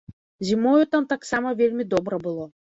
Зімою там таксама вельмі добра было.